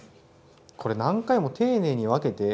これ何回も丁寧に分けて。